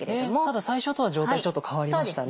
ただ最初とは状態ちょっと変わりましたね。